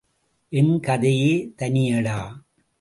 என் கதையே தனியடா!...